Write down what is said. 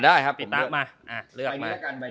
ใบนี้ยิ้มให้ผม